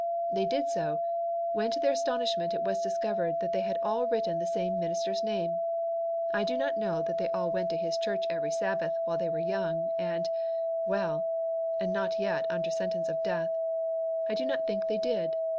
They did so, when to their astonishment it was discovered that they had all written the same minister's name! I do not know that they all went to his church every Sabbath while they were young and, well, and not yet under sentence of death. I do not think they did.